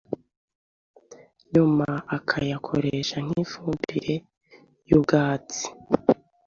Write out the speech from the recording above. nyuma akayakoresha nk’ifumbire y’ubwatsi